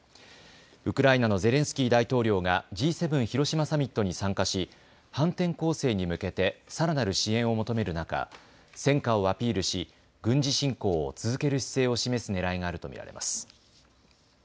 ウクライナのゼレンスキー大統領がＧ７広島サミットに参加し反転攻勢に向けてさらなる支援を求める中、戦果をアピールし軍事侵攻を続ける姿勢を示すねらいがあると見られます。